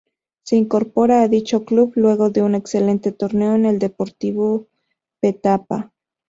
Se incorpora a dicho club luego de un excelente torneo con el Deportivo Petapa.